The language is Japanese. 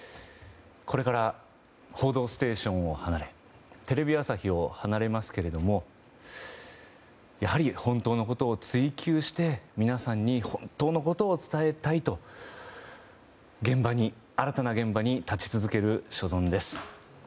これから「報道ステーション」を離れテレビ朝日を離れますけどもやはり本当のことを追及して皆さんに本当のことを伝えたいと新たな現場に立ち続ける所存です。